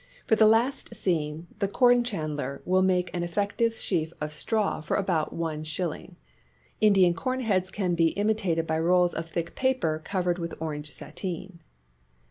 For the last scene, the corn chandler will make an effective sheaf of straw for about is. Indian corn heads can be imitated by rolls of thick paper covered with orange sateen.